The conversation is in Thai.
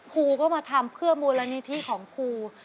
ครูก็มาทำเพื่อมูลนิธิของครู